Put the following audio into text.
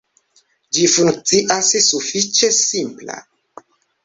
Ĝi funkcias sufiĉe simpla.